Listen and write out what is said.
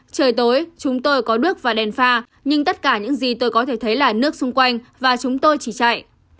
trời tối chúng tôi có nước và đèn pha nhưng tất cả những gì tôi có thể thấy là nước xung quanh và chúng tôi chỉ chạy